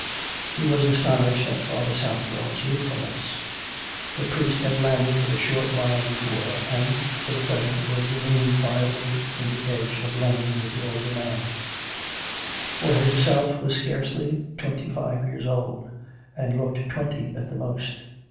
He was astonished at Father Southwell's youthfulness. This priest had landed but a short while before, and, for the present, was remaining quietly in the edge of Lon don with the older man; for himself was scarcely twenty five years old, and looked twenty at the most.